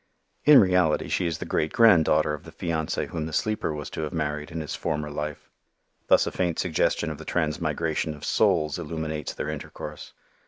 In reality she is the great granddaughter of the fiancée whom the sleeper was to have married in his former life; thus a faint suggestion of the transmigration of souls illuminates their intercourse.